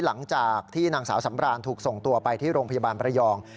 หลังจากที่นางสาวสำรานถูกส่งตัวไปที่โรงพยาบาลประยอง